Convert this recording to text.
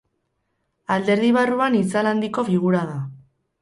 Alderdi barruan itzal handiko figura da.